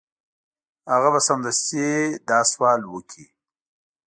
هغه به سمدستي دا سوال وکړي.